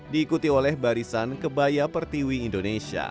diikuti oleh barisan kebaya pertiwi indonesia